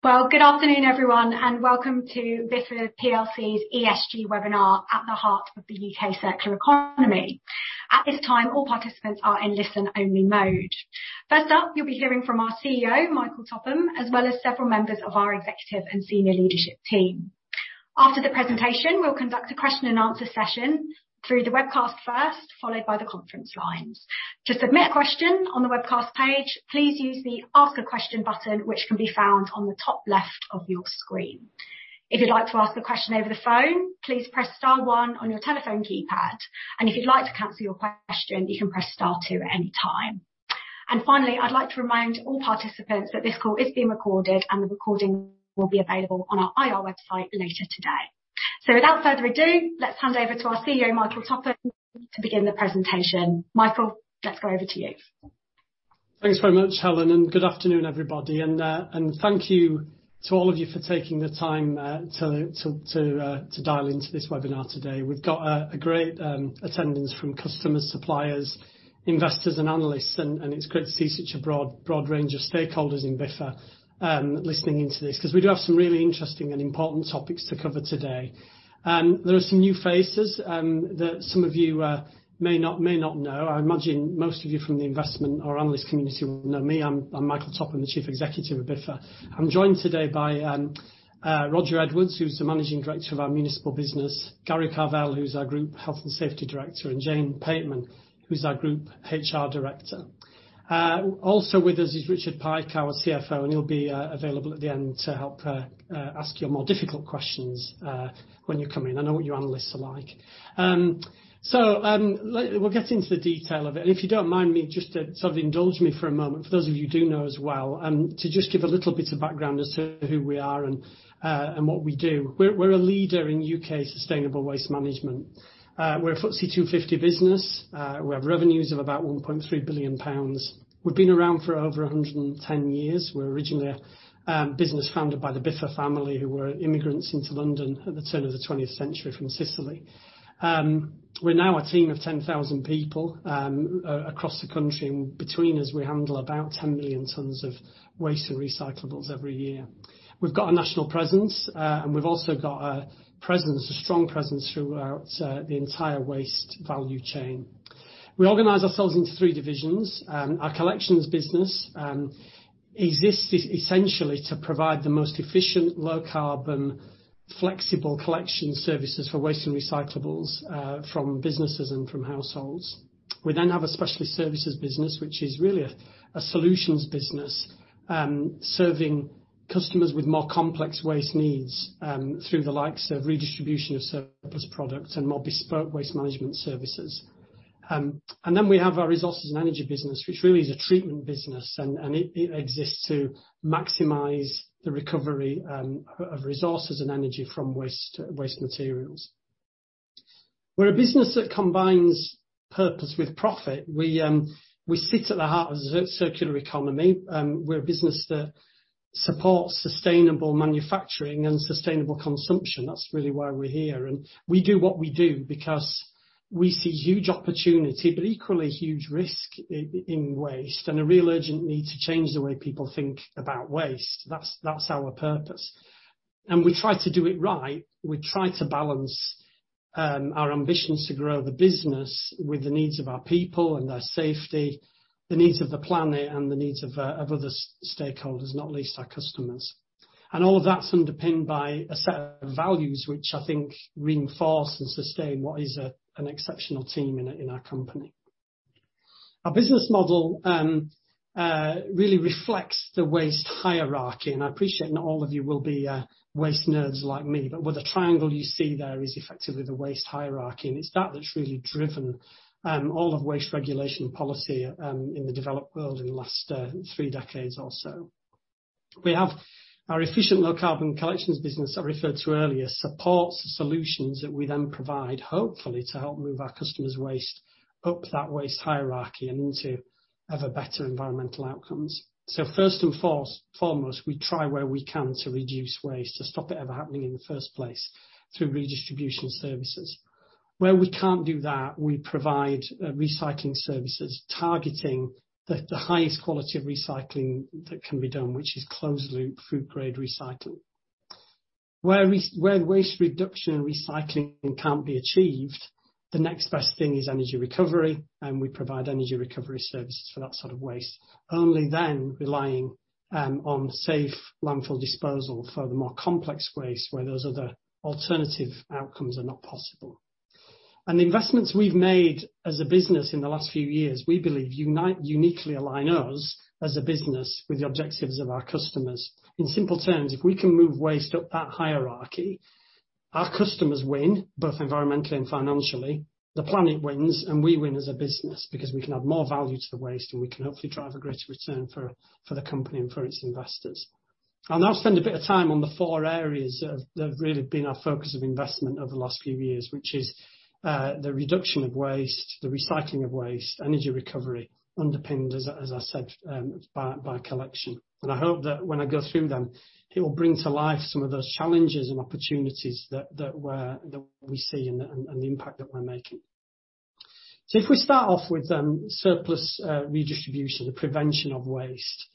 Well, good afternoon, everyone, and welcome to Biffa plc's ESG webinar at the heart of the U.K. circular economy. At this time, all participants are in listen-only mode. First up, you'll be hearing from our CEO, Michael Topham, as well as several members of our executive and senior leadership team. After the presentation, we'll conduct a question and answer session through the webcast first, followed by the conference lines. To submit a question on the webcast page, please use the Ask a Question button, which can be found on the top left of your screen. If you'd like to ask a question over the phone, please press star one on your telephone keypad, and if you'd like to cancel your question, you can press star two at any time. Finally, I'd like to remind all participants that this call is being recorded and the recording will be available on our IR website later today. Without further ado, let's hand over to our CEO, Michael Topham, to begin the presentation. Michael, let's go over to you. Thanks very much, Helen, and good afternoon, everybody. Thank you to all of you for taking the time to dial into this webinar today. We've got a great attendance from customers, suppliers, investors and analysts and it's great to see such a broad range of stakeholders in Biffa listening in to this because we do have some really interesting and important topics to cover today. There are some new faces that some of you may not know. I imagine most of you from the investment or analyst community will know me. I'm Michael Topham, the Chief Executive of Biffa. I'm joined today by Roger Edwards, who's the Managing Director of our Municipal business, Gary Carvell, who's our Group Health and Safety Director, and Jane Pateman, who's our Group HR Director. Also with us is Richard Pike, our CFO, and he'll be available at the end to help ask your more difficult questions when you come in. I know what you analysts are like. We'll get into the detail of it. If you don't mind me, just to sort of indulge me for a moment, for those of you who do know as well, to just give a little bit of background as to who we are and what we do. We're a leader in U.K. sustainable waste management. We're a FTSE 250 business. We have revenues of about 1.3 billion pounds. We've been around for over 110 years. We're originally a business founded by the Biffa family, who were immigrants into London at the turn of the twentieth century from Sicily. We're now a team of 10,000 people across the country. Between us, we handle about 10 million tons of waste and recyclables every year. We've got a national presence, and we've also got a presence, a strong presence throughout the entire waste value chain. We organize ourselves into 3 divisions. Our collections business exists essentially to provide the most efficient low-carbon flexible collection services for waste and recyclables from businesses and from households. We then have a specialty services business, which is really a solutions business, serving customers with more complex waste needs, through the likes of redistribution of surplus products and more bespoke waste management services. Then we have our resources and energy business, which really is a treatment business, and it exists to maximize the recovery of resources and energy from waste materials. We're a business that combines purpose with profit. We sit at the heart of the circular economy. We're a business that supports sustainable manufacturing and sustainable consumption. That's really why we're here, and we do what we do because we see huge opportunity, but equally huge risk in waste, and a real urgent need to change the way people think about waste. That's our purpose. We try to do it right. We try to balance our ambitions to grow the business with the needs of our people and their safety, the needs of the planet, and the needs of other stakeholders, not least our customers. All of that's underpinned by a set of values which I think reinforce and sustain what is an exceptional team in our company. Our business model really reflects the waste hierarchy, and I appreciate not all of you will be waste nerds like me. With the triangle you see there is effectively the waste hierarchy, and it's that that's really driven all of waste regulation policy in the developed world in the last three decades or so. We have our efficient low carbon collections business I referred to earlier, supports the solutions that we then provide, hopefully to help move our customers' waste up that waste hierarchy and into ever better environmental outcomes. First and foremost, we try where we can to reduce waste, to stop it ever happening in the first place through redistribution services. Where we can't do that, we provide recycling services targeting the highest quality of recycling that can be done, which is closed loop food grade recycling. Where waste reduction and recycling can't be achieved, the next best thing is energy recovery, and we provide energy recovery services for that sort of waste, only then relying on safe landfill disposal for the more complex waste where those other alternative outcomes are not possible. The investments we've made as a business in the last few years, we believe uniquely align us as a business with the objectives of our customers. In simple terms, if we can move waste up that hierarchy, our customers win, both environmentally and financially, the planet wins, and we win as a business because we can add more value to the waste and we can hopefully drive a greater return for the company and for its investors. I'll now spend a bit of time on the four areas that have really been our focus of investment over the last few years, which is the reduction of waste, the recycling of waste, energy recovery, underpinned as I said by collection. I hope that when I go through them, it will bring to life some of those challenges and opportunities that we see and the impact that we're making. If we start off with surplus redistribution, the prevention of waste.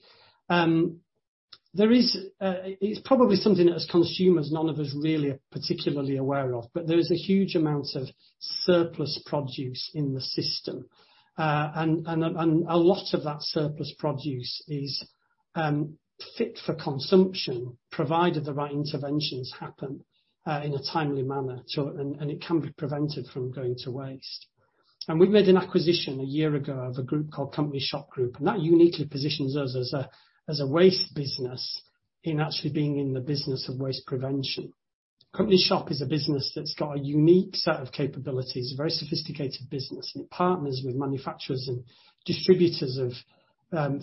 There is. It's probably something that as consumers, none of us really are particularly aware of, but there is a huge amount of surplus produce in the system. And a lot of that surplus produce is fit for consumption, provided the right interventions happen in a timely manner, and it can be prevented from going to waste. We made an acquisition a year ago of a group called Company Shop Group, and that uniquely positions us as a waste business in actually being in the business of waste prevention. Company Shop is a business that's got a unique set of capabilities, very sophisticated business, and it partners with manufacturers and distributors of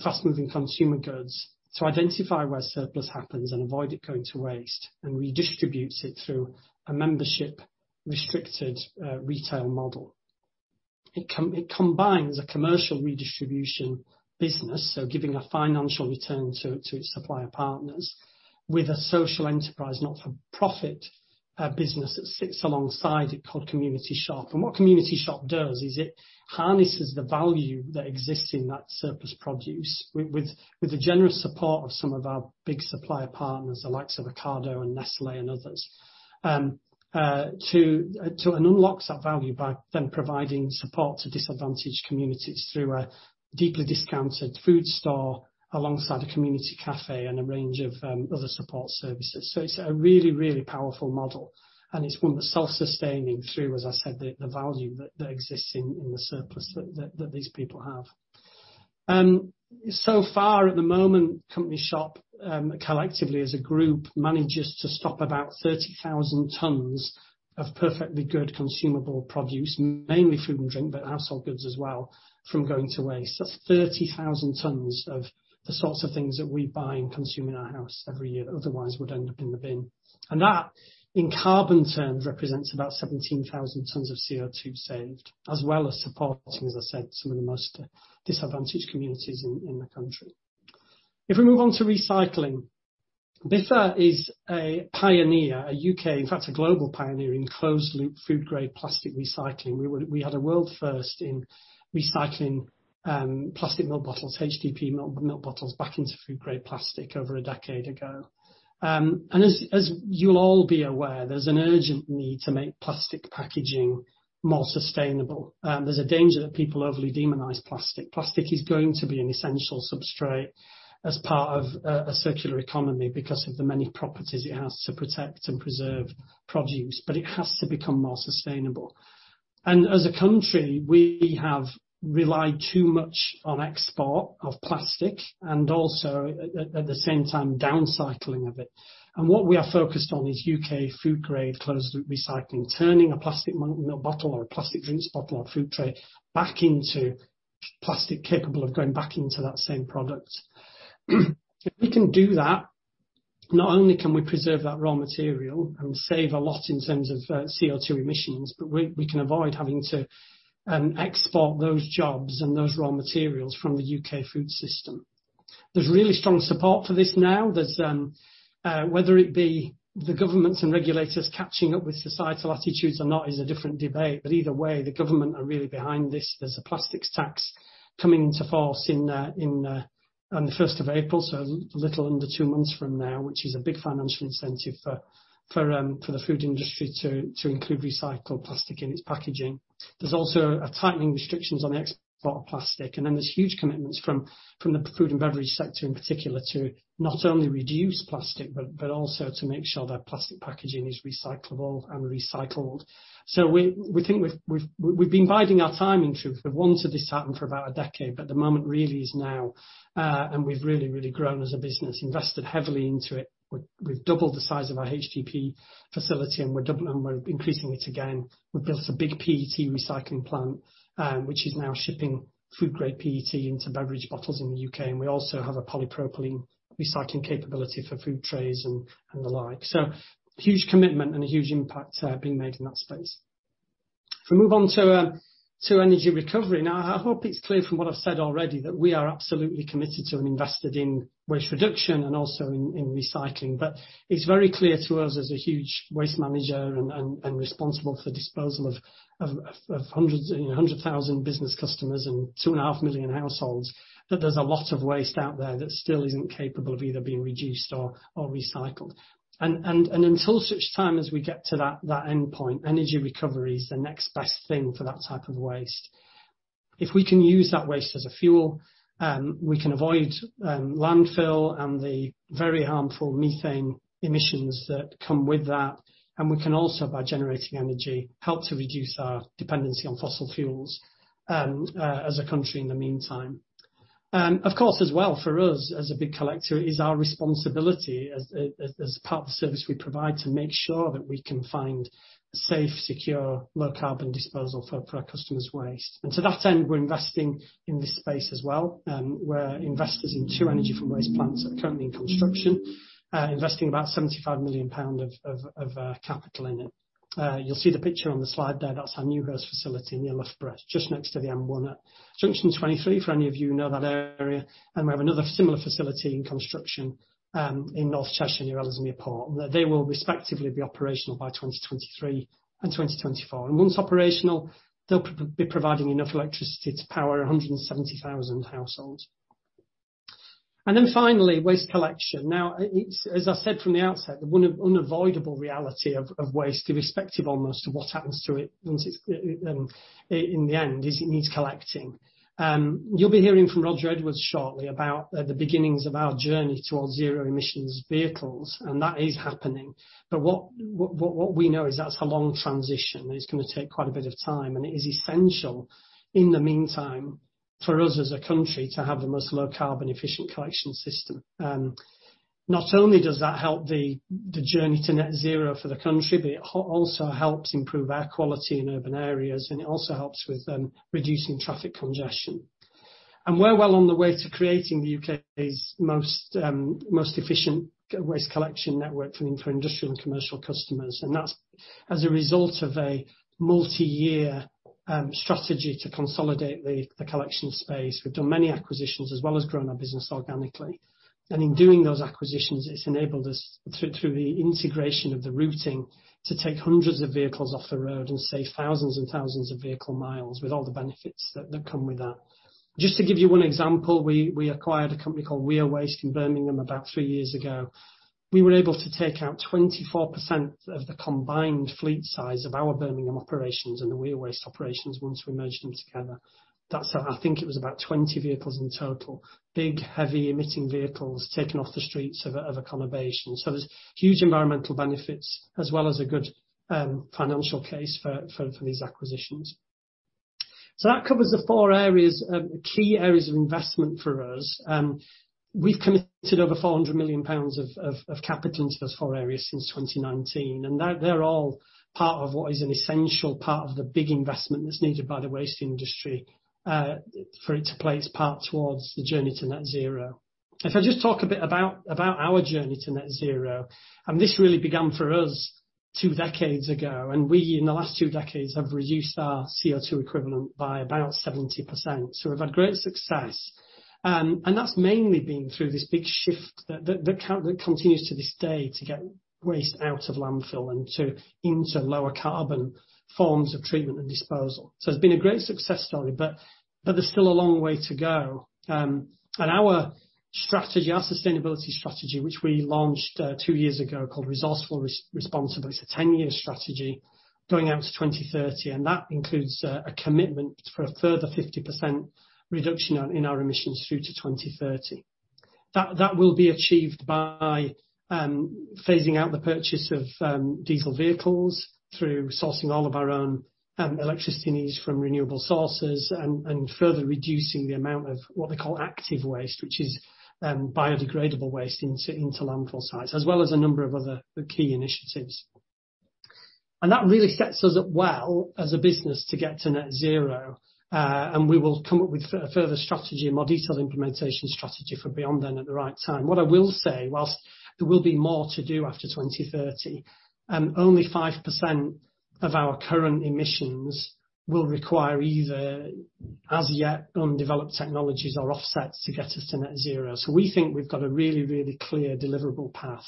fast-moving consumer goods to identify where surplus happens and avoid it going to waste and redistributes it through a membership restricted retail model. It combines a commercial redistribution business, so giving a financial return to its supplier partners with a social enterprise, not-for-profit business that sits alongside it called Community Shop. What Community Shop does is it harnesses the value that exists in that surplus produce with the generous support of some of our big supplier partners, the likes of Ocado and Nestlé and others, and unlocks that value by then providing support to disadvantaged communities through a deeply discounted food store alongside a community cafe and a range of other support services. It's a really powerful model, and it's one that's self-sustaining through, as I said, the value that exists in the surplus that these people have. So far at the moment, Company Shop collectively as a group manages to stop about 30,000 tons of perfectly good consumable produce, mainly food and drink, but household goods as well, from going to waste. That's 30,000 tons of the sorts of things that we buy and consume in our house every year that otherwise would end up in the bin. That, in carbon terms, represents about 17,000 tons of CO2 saved, as well as supporting, as I said, some of the most disadvantaged communities in the country. If we move on to recycling, Biffa is a pioneer, a UK, in fact a global pioneer in closed loop food grade plastic recycling. We had a world first in recycling plastic milk bottles, HDPE milk bottles back into food grade plastic over a decade ago. As you'll all be aware, there's an urgent need to make plastic packaging more sustainable. There's a danger that people overly demonize plastic. Plastic is going to be an essential substrate as part of a circular economy because of the many properties it has to protect and preserve produce, but it has to become more sustainable. As a country, we have relied too much on export of plastic and also at the same time, downcycling of it. What we are focused on is UK food grade closed loop recycling, turning a plastic milk bottle or a plastic drinks bottle or food tray back into plastic capable of going back into that same product. If we can do that, not only can we preserve that raw material and save a lot in terms of CO2 emissions, but we can avoid having to export those jobs and those raw materials from the UK food system. There's really strong support for this now. There's whether it be the governments and regulators catching up with societal attitudes or not is a different debate, but either way, the government are really behind this. There's a plastics tax coming into force in on the first of April, so little under two months from now, which is a big financial incentive for the food industry to include recycled plastic in its packaging. There's also a tightening restrictions on export of plastic, and then there's huge commitments from the food and beverage sector in particular to not only reduce plastic but also to make sure that plastic packaging is recyclable and recycled. We think we've been biding our time in truth. We've wanted this to happen for about a decade, but the moment really is now, and we've really grown as a business, invested heavily into it. We've doubled the size of our HTP facility, and we're increasing it again. We've built a big PET recycling plant, which is now shipping food-grade PET into beverage bottles in the UK, and we also have a polypropylene recycling capability for food trays and the like. Huge commitment and a huge impact being made in that space. If we move on to energy recovery. Now, I hope it's clear from what I've said already that we are absolutely committed to and invested in waste reduction and also in recycling. It's very clear to us as a huge waste manager and responsible for disposal of hundreds, you know, 100,000 business customers and 2.5 million households that there's a lot of waste out there that still isn't capable of either being reduced or recycled. Until such time as we get to that endpoint, energy recovery is the next best thing for that type of waste. If we can use that waste as a fuel, we can avoid landfill and the very harmful methane emissions that come with that, and we can also by generating energy help to reduce our dependency on fossil fuels as a country in the meantime. Of course, as well for us as a big collector, it is our responsibility as part of the service we provide to make sure that we can find safe, secure, low carbon disposal for our customers' waste. To that end, we're investing in this space as well, we're investors in two energy from waste plants that are currently in construction, investing about 75 million pounds of capital in it. You'll see the picture on the slide there. That's our new Newhurst facility near Loughborough, just next to the M1 at junction 23, for any of you who know that area. We have another similar facility in construction, in North Cheshire, near Ellesmere Port. They will respectively be operational by 2023 and 2024. Once operational, they'll be providing enough electricity to power 170,000 households. Finally, waste collection. Now, it's, as I said from the outset, the unavoidable reality of waste, irrespective almost of what happens to it once it's in the bin, is it needs collecting. You'll be hearing from Roger Edwards shortly about the beginnings of our journey towards zero-emission vehicles, and that is happening. What we know is that's a long transition, and it's gonna take quite a bit of time, and it is essential in the meantime, for us as a country, to have the most low-carbon efficient collection system. Not only does that help the journey to net zero for the country, but it also helps improve air quality in urban areas, and it also helps with reducing traffic congestion. We're well on the way to creating the U.K.'s most efficient I&C waste collection network for industrial and commercial customers, and that's as a result of a multi-year strategy to consolidate the collection space. We've done many acquisitions, as well as grown our business organically. In doing those acquisitions, it's enabled us through the integration of the routing, to take hundreds of vehicles off the road and save thousands and thousands of vehicle miles, with all the benefits that come with that. Just to give you one example, we acquired a company called Weir Waste in Birmingham about three years ago. We were able to take out 24% of the combined fleet size of our Birmingham operations and the Weir Waste operations once we merged them together. That's, I think it was about 20 vehicles in total. Big, heavy emitting vehicles taken off the streets of a conurbation. There's huge environmental benefits as well as a good financial case for these acquisitions. That covers the four areas, key areas of investment for us. We've committed over 400 million pounds of capital into those four areas since 2019, and they're all part of what is an essential part of the big investment that's needed by the waste industry for it to play its part towards the journey to net zero. If I just talk a bit about our journey to net zero, and this really began for us two decades ago, and we in the last two decades have reduced our CO2 equivalent by about 70%. We've had great success. That's mainly been through this big shift that continues to this day to get waste out of landfill and into lower carbon forms of treatment and disposal. It's been a great success story, but there's still a long way to go. Our strategy, our sustainability strategy, which we launched 2 years ago, called Resourceful Responsibly, it's a ten-year strategy going out to 2030, and that includes a commitment for a further 50% reduction in our emissions through to 2030. That will be achieved by phasing out the purchase of diesel vehicles through sourcing all of our own electricity needs from renewable sources and further reducing the amount of what they call active waste, which is biodegradable waste into landfill sites, as well as a number of other key initiatives. That really sets us up well as a business to get to net zero, and we will come up with a further strategy, a more detailed implementation strategy for beyond then at the right time. What I will say, whilst there will be more to do after 2030, only 5% of our current emissions will require either as yet undeveloped technologies or offsets to get us to net zero. We think we've got a really, really clear deliverable path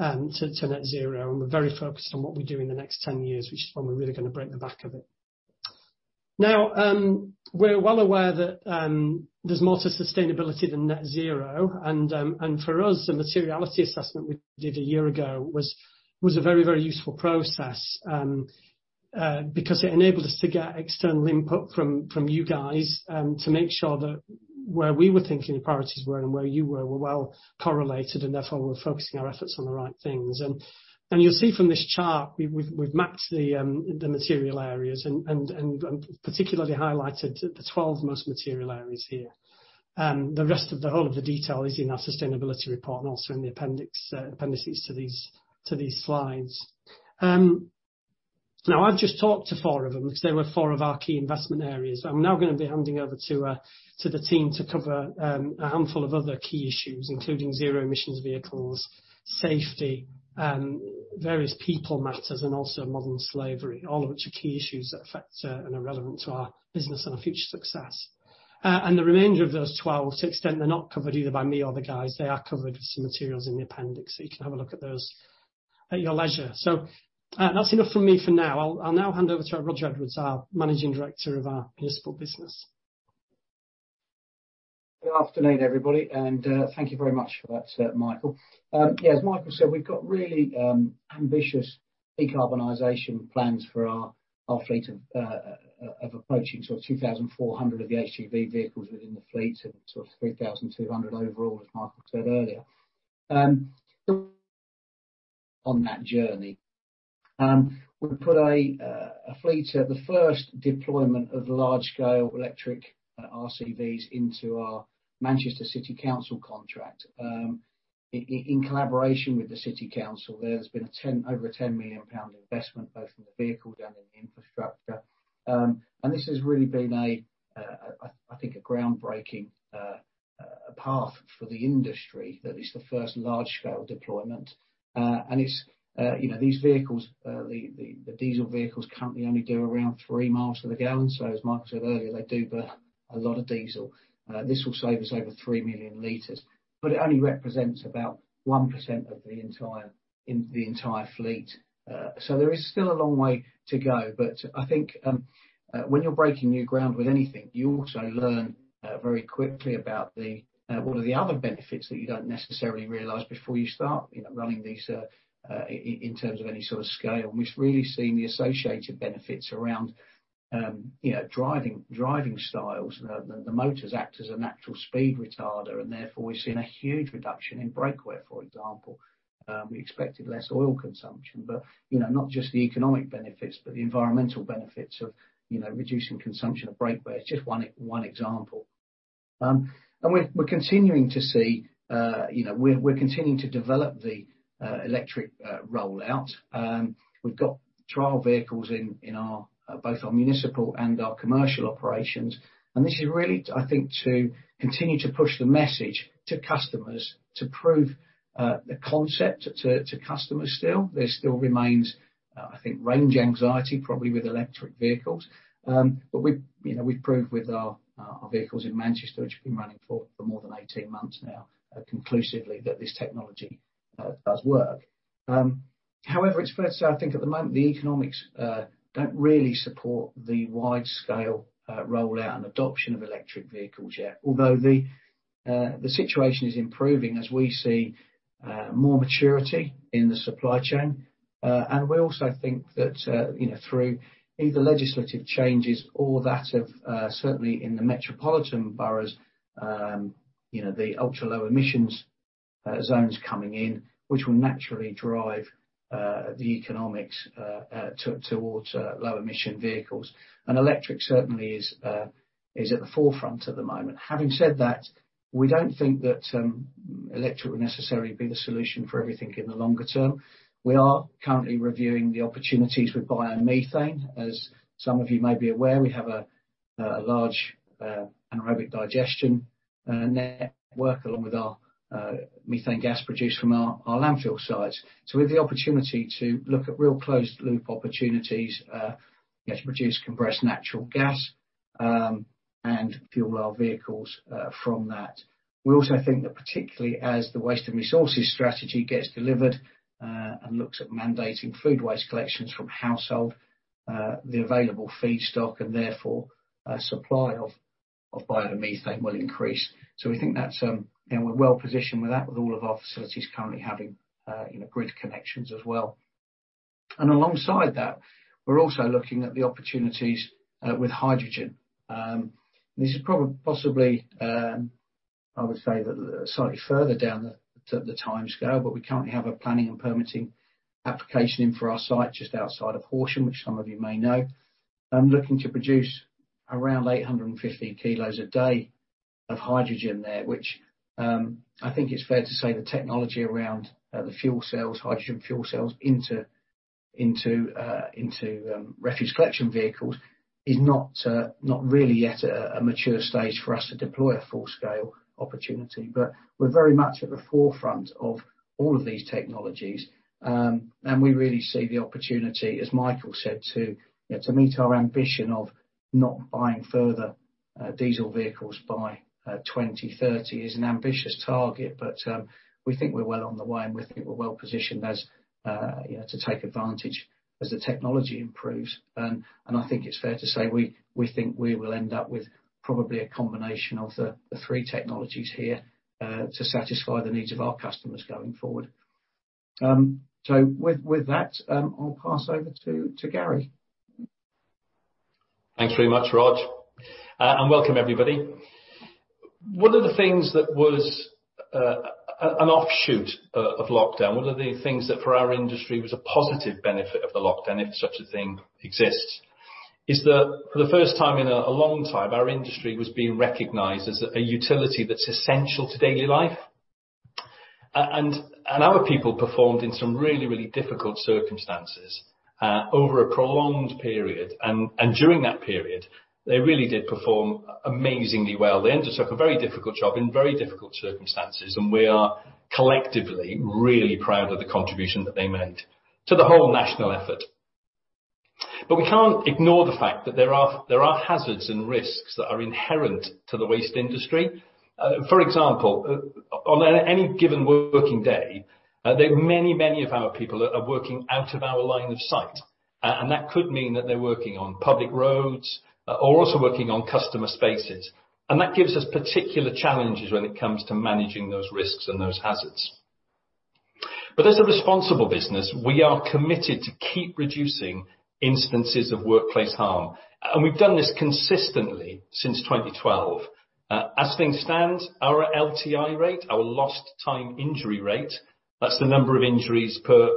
to net zero, and we're very focused on what we do in the next 10 years, which is when we're really gonna break the back of it. Now, we're well aware that there's more to sustainability than net zero, and for us, the materiality assessment we did a year ago was a very useful process, because it enabled us to get external input from you guys, to make sure that where we were thinking the priorities were and where you were well correlated, and therefore we're focusing our efforts on the right things. You'll see from this chart, we've mapped the material areas and particularly highlighted the 12 most material areas here. The rest of the whole of the detail is in our sustainability report and also in the appendices to these slides. Now I've just talked to four of them because they were four of our key investment areas. I'm now gonna be handing over to the team to cover a handful of other key issues, including zero emissions vehicles, safety, various people matters and also modern slavery, all of which are key issues that affect and are relevant to our business and our future success. The remainder of those twelve, to the extent they're not covered either by me or the guys, they are covered with some materials in the appendix, so you can have a look at those at your leisure. That's enough from me for now. I'll now hand over to Roger Edwards, our Managing Director of our Municipal Business. Good afternoon, everybody, and thank you very much for that, Michael. Yeah, as Michael said, we've got really ambitious decarbonization plans for our fleet of approaching sort of 2,400 of the HGV vehicles within the fleet to sort of 3,200 overall, as Michael said earlier. On that journey, we put a fleet of the first deployment of large-scale electric RCVs into our Manchester City Council contract. In collaboration with the city council, there's been over a 10 million pound investment, both from the vehicle down in the infrastructure. This has really been a, I think, a groundbreaking path for the industry. That is the first large-scale deployment. It's, you know, these vehicles, the diesel vehicles currently only do around 3 miles to the gallon. As Michael said earlier, they do burn a lot of diesel. This will save us over 3 million liters, but it only represents about 1% of the entire fleet. There is still a long way to go, but I think when you're breaking new ground with anything, you also learn very quickly about what are the other benefits that you don't necessarily realize before you start, you know, running these in terms of any sort of scale. We've really seen the associated benefits around, you know, driving styles. The motors act as a natural speed retarder, and therefore, we've seen a huge reduction in brake wear, for example. We expected less oil consumption, but, you know, not just the economic benefits, but the environmental benefits of, you know, reducing consumption of brake wear is just one example. We're continuing to develop the electric rollout. We've got trial vehicles in both our municipal and our commercial operations, and this is really, I think, to continue to push the message to customers to prove the concept to customers still. There still remains, I think, range anxiety probably with electric vehicles. But we, you know, we've proved with our vehicles in Manchester, which have been running for more than 18 months now, conclusively that this technology does work. However, it's fair to say, I think at the moment, the economics don't really support the widescale rollout and adoption of electric vehicles yet. Although the situation is improving as we see more maturity in the supply chain. We also think that, you know, through either legislative changes or that of certainly in the metropolitan boroughs, you know, the ultra-low emissions zones coming in, which will naturally drive the economics towards low emission vehicles. Electric certainly is at the forefront at the moment. Having said that, we don't think that electric will necessarily be the solution for everything in the longer term. We are currently reviewing the opportunities with biomethane. As some of you may be aware, we have a large anaerobic digestion network along with our methane gas produced from our landfill sites. We have the opportunity to look at real closed loop opportunities, you know, to produce compressed natural gas and fuel our vehicles from that. We also think that particularly as the waste and resources strategy gets delivered and looks at mandating food waste collections from household the available feedstock, and therefore, a supply of biomethane will increase. We think that's you know, we're well-positioned with that with all of our facilities currently having you know, grid connections as well. Alongside that, we're also looking at the opportunities with hydrogen. This is possibly, I would say slightly further down the timescale, but we currently have a planning and permitting application in for our site just outside of Horsham, which some of you may know. I'm looking to produce around 850 kilos a day of hydrogen there, which I think it's fair to say the technology around the fuel cells, hydrogen fuel cells into refuse collection vehicles is not really yet a mature stage for us to deploy a full-scale opportunity. We're very much at the forefront of all of these technologies. We really see the opportunity, as Michael said, to you know to meet our ambition of not buying further diesel vehicles by 2030 is an ambitious target. We think we're well on the way, and we think we're well positioned as you know to take advantage as the technology improves. I think it's fair to say we think we will end up with probably a combination of the three technologies here to satisfy the needs of our customers going forward. With that, I'll pass over to Gary. Thanks very much, Rog. Welcome everybody. One of the things that for our industry was a positive benefit of the lockdown, if such a thing exists, is that for the first time in a long time, our industry was being recognized as a utility that's essential to daily life. And our people performed in some really difficult circumstances over a prolonged period. During that period, they really did perform amazingly well. They undertook a very difficult job in very difficult circumstances, and we are collectively really proud of the contribution that they made to the whole national effort. We can't ignore the fact that there are hazards and risks that are inherent to the waste industry. For example, on any given working day, there are many of our people working out of our line of sight, and that could mean that they're working on public roads or also working on customer spaces. That gives us particular challenges when it comes to managing those risks and those hazards. As a responsible business, we are committed to keep reducing instances of workplace harm, and we've done this consistently since 2012. As things stand, our LTI rate, our lost time injury rate, that's the number of injuries per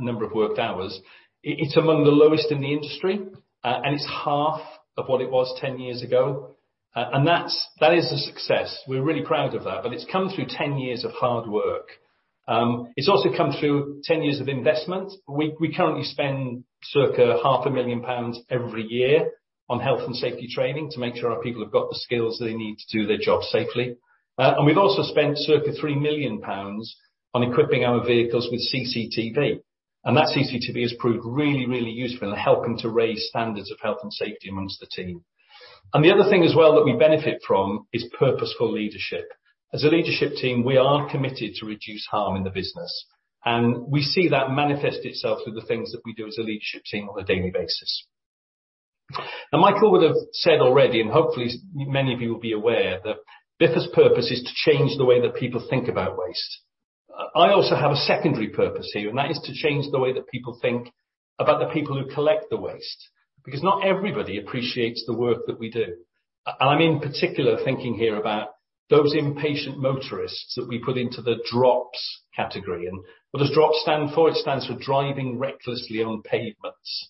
number of worked hours, it's among the lowest in the industry, and it's half of what it was 10 years ago. That's a success. We're really proud of that, but it's come through 10 years of hard work. It's also come through 10 years of investment. We currently spend circa half a million GBP every year on health and safety training to make sure our people have got the skills they need to do their job safely. We've also spent circa 3 million pounds on equipping our vehicles with CCTV, and that CCTV has proved really useful in helping to raise standards of health and safety among the team. The other thing as well that we benefit from is purposeful leadership. As a leadership team, we are committed to reduce harm in the business, and we see that manifest itself through the things that we do as a leadership team on a daily basis. Now, Michael would have said already, and hopefully many of you will be aware, that Biffa's purpose is to change the way that people think about waste. I also have a secondary purpose here, and that is to change the way that people think about the people who collect the waste, because not everybody appreciates the work that we do. I'm in particular thinking here about those impatient motorists that we put into the DROPS category. What does DROPS stand for? It stands for Driving Recklessly On Pavements.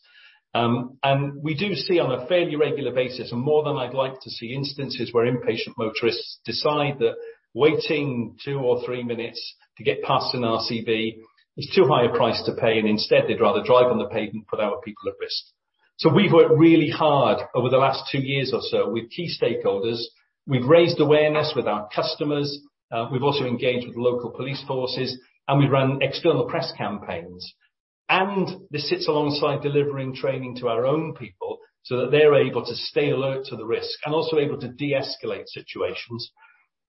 We do see on a fairly regular basis, and more than I'd like to see, instances where impatient motorists decide that waiting two or three minutes to get past an RCV is too high a price to pay, and instead they'd rather drive on the pavement and put our people at risk. We've worked really hard over the last two years or so with key stakeholders. We've raised awareness with our customers, we've also engaged with local police forces, and we've run external press campaigns. This sits alongside delivering training to our own people so that they're able to stay alert to the risk and also able to deescalate situations.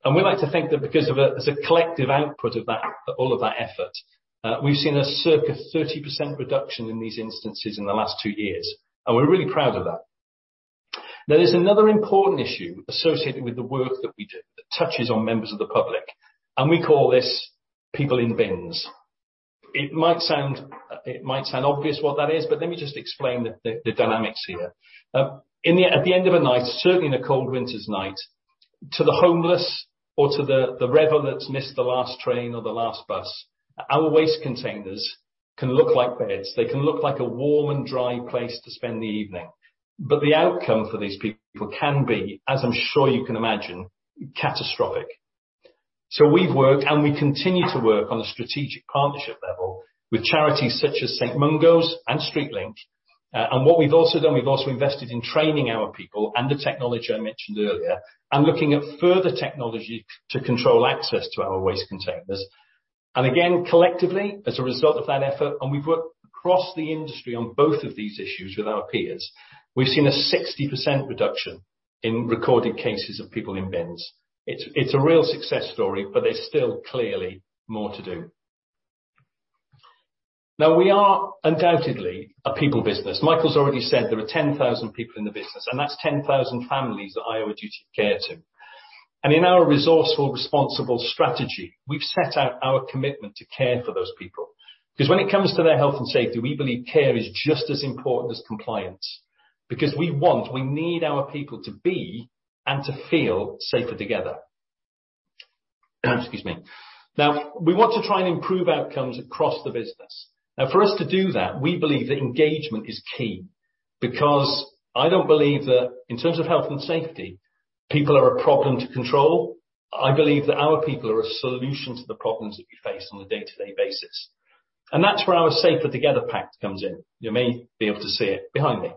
We like to think that because of, as a collective output of that, all of that effort, we've seen a circa 30% reduction in these instances in the last two years, and we're really proud of that. Now, there's another important issue associated with the work that we do that touches on members of the public, and we call this people in bins. It might sound obvious what that is, but let me just explain the dynamics here. In the... At the end of a night, certainly on a cold winter's night, to the homeless or to the reveller that's missed the last train or the last bus, our waste containers can look like beds. They can look like a warm and dry place to spend the evening. But the outcome for these people can be, as I'm sure you can imagine, catastrophic. We've worked, and we continue to work on a strategic partnership level with charities such as St Mungo's and StreetLink. What we've also done, we've also invested in training our people and the technology I mentioned earlier and looking at further technology to control access to our waste containers. Again, collectively, as a result of that effort, and we've worked across the industry on both of these issues with our peers, we've seen a 60% reduction in recorded cases of people in bins. It's a real success story, but there's still clearly more to do. Now, we are undoubtedly a people business. Michael's already said there are 10,000 people in the business, and that's 10,000 families that I owe a duty of care to. In our resourceful, responsible strategy, we've set out our commitment to care for those people. Because when it comes to their health and safety, we believe care is just as important as compliance. Because we want, we need our people to be and to feel safer together. Excuse me. Now, we want to try and improve outcomes across the business. Now, for us to do that, we believe that engagement is key because I don't believe that in terms of health and safety, people are a problem to control. I believe that our people are a solution to the problems that we face on a day-to-day basis. That's where our Safer Together Pact comes in. You may be able to see it behind me.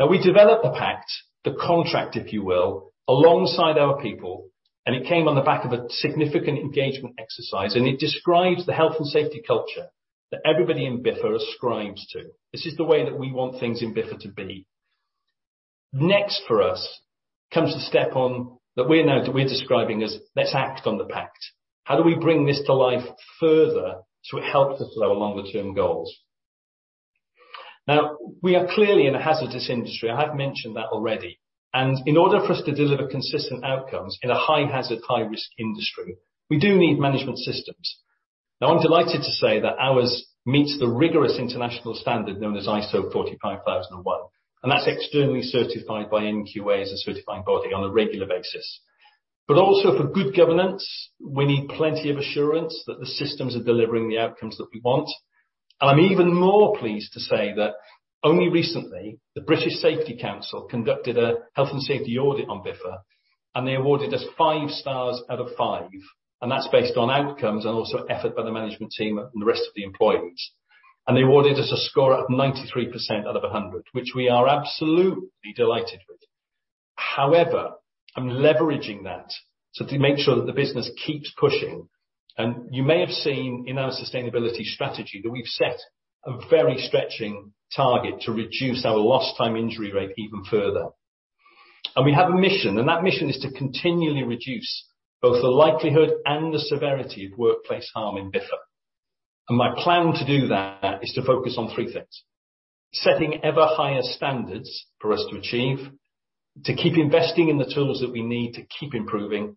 Now, we developed the pact, the contract, if you will, alongside our people, and it came on the back of a significant engagement exercise, and it describes the health and safety culture that everybody in Biffa ascribes to. This is the way that we want things in Biffa to be. Next for us comes the step on that we're now describing as let's act on the pact. How do we bring this to life further so it helps us with our longer-term goals? Now, we are clearly in a hazardous industry. I have mentioned that already. In order for us to deliver consistent outcomes in a high-hazard, high-risk industry, we do need management systems. Now, I'm delighted to say that ours meets the rigorous international standard known as ISO 45001, and that's externally certified by NQA as a certifying body on a regular basis. Also for good governance, we need plenty of assurance that the systems are delivering the outcomes that we want. I'm even more pleased to say that only recently, the British Safety Council conducted a health and safety audit on Biffa, and they awarded us five stars out of five, and that's based on outcomes and also effort by the management team and the rest of the employees. They awarded us a score of 93% out of 100, which we are absolutely delighted with. However, I'm leveraging that so to make sure that the business keeps pushing. You may have seen in our sustainability strategy that we've set a very stretching target to reduce our lost time injury rate even further. We have a mission, and that mission is to continually reduce both the likelihood and the severity of workplace harm in Biffa. My plan to do that is to focus on three things, setting ever higher standards for us to achieve, to keep investing in the tools that we need to keep improving,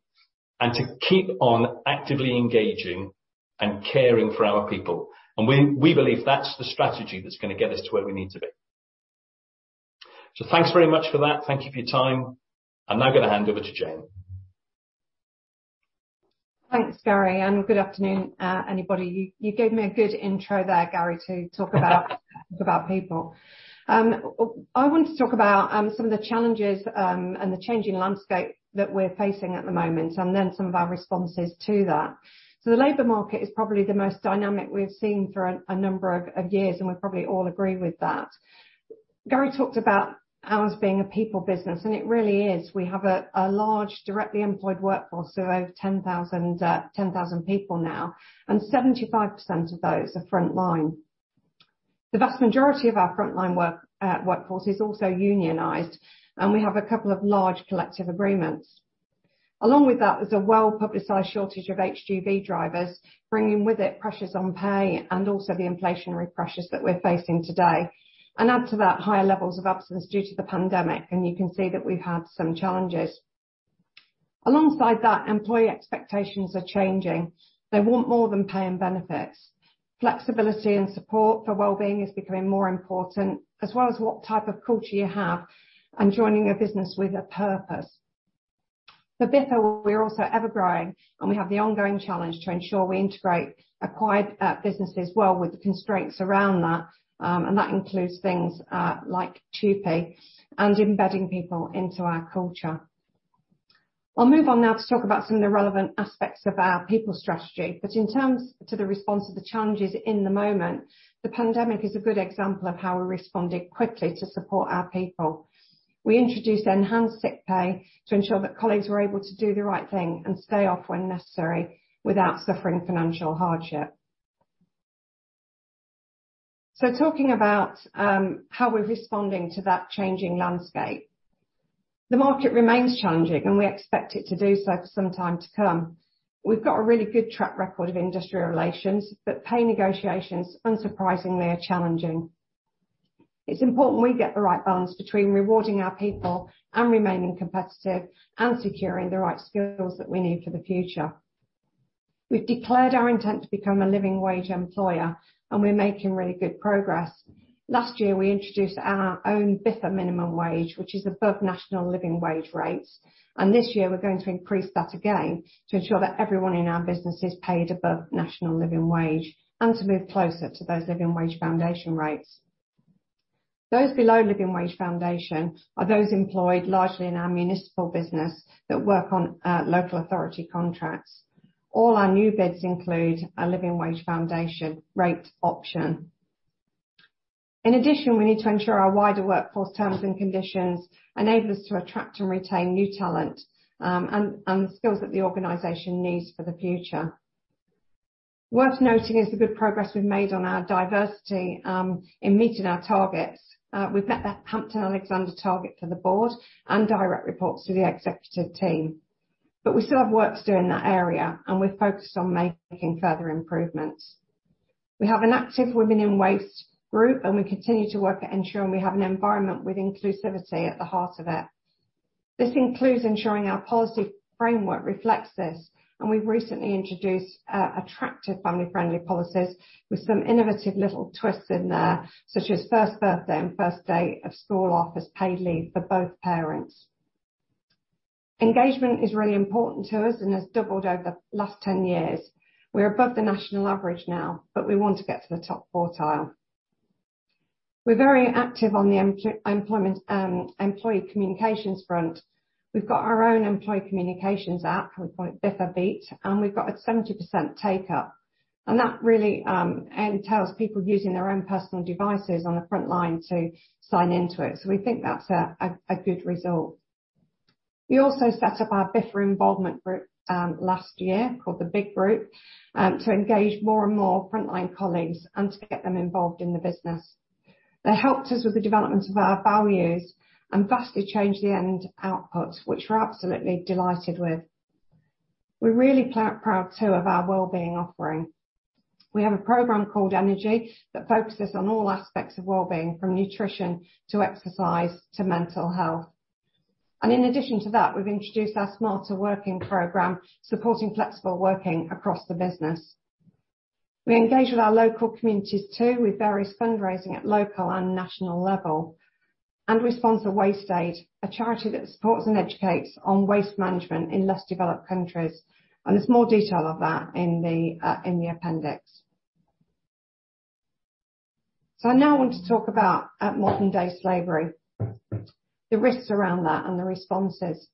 and to keep on actively engaging and caring for our people. We believe that's the strategy that's gonna get us to where we need to be. Thanks very much for that. Thank you for your time. I'm now gonna hand over to Jane. Thanks, Gary, and good afternoon, everybody. You gave me a good intro there, Gary, to talk about people. I want to talk about some of the challenges and the changing landscape that we're facing at the moment, and then some of our responses to that. The labor market is probably the most dynamic we've seen for a number of years, and we probably all agree with that. Gary talked about ours being a people business, and it really is. We have a large directly employed workforce of over 10,000 people now, and 75% of those are front line. The vast majority of our frontline workforce is also unionized, and we have a couple of large collective agreements. Along with that there's a well-publicized shortage of HGV drivers, bringing with it pressures on pay and also the inflationary pressures that we're facing today. Add to that higher levels of absence due to the pandemic, and you can see that we've had some challenges. Alongside that, employee expectations are changing. They want more than pay and benefits. Flexibility and support for well-being is becoming more important, as well as what type of culture you have and joining a business with a purpose. For Biffa, we're also ever-growing, and we have the ongoing challenge to ensure we integrate acquired businesses well with the constraints around that, and that includes things like TUPE and embedding people into our culture. I'll move on now to talk about some of the relevant aspects of our people strategy. In terms to the response to the challenges in the moment, the pandemic is a good example of how we responded quickly to support our people. We introduced enhanced sick pay to ensure that colleagues were able to do the right thing and stay off when necessary without suffering financial hardship. Talking about how we're responding to that changing landscape. The market remains challenging, and we expect it to do so for some time to come. We've got a really good track record of industrial relations, but pay negotiations, unsurprisingly, are challenging. It's important we get the right balance between rewarding our people and remaining competitive and securing the right skills that we need for the future. We've declared our intent to become a Living Wage employer, and we're making really good progress. Last year, we introduced our own Biffa Minimum Wage, which is above national living wage rates. This year, we're going to increase that again to ensure that everyone in our business is paid above national living wage and to move closer to those Living Wage Foundation rates. Those below Living Wage Foundation are those employed largely in our municipal business that work on local authority contracts. All our new bids include a Living Wage Foundation rate option. In addition, we need to ensure our wider workforce terms and conditions enable us to attract and retain new talent and the skills that the organization needs for the future. Worth noting is the good progress we've made on our diversity in meeting our targets. We've met that Hampton-Alexander target for the board and direct reports to the executive team. We still have works to do in that area, and we're focused on making further improvements. We have an active Women in Waste group, and we continue to work at ensuring we have an environment with inclusivity at the heart of it. This includes ensuring our policy framework reflects this, and we've recently introduced attractive family-friendly policies with some innovative little twists in there, such as first birthday and first day of school off as paid leave for both parents. Engagement is really important to us and has doubled over the last 10 years. We're above the national average now, but we want to get to the top quartile. We're very active on the employee communications front. We've got our own employee communications app called Biffa Beat, and we've got a 70% take up. That really entails people using their own personal devices on the front line to sign into it. We think that's a good result. We also set up our Biffa Involvement Group last year, called the BIG Group, to engage more and more frontline colleagues and to get them involved in the business. They helped us with the development of our values and vastly changed the end output, which we're absolutely delighted with. We're really proud too of our well-being offering. We have a program called Energy that focuses on all aspects of well-being, from nutrition, to exercise, to mental health. In addition to that, we've introduced our Smarter Working program, supporting flexible working across the business. We engage with our local communities too, with various fundraising at local and national level. We sponsor WasteAid, a charity that supports and educates on waste management in less developed countries. There's more detail of that in the appendix. I now want to talk about modern day slavery, the risks around that and the responses.